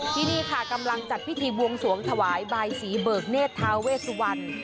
ที่นี่ค่ะกำลังจัดพิธีบวงสวงถวายบายสีเบิกเนธทาเวสวัน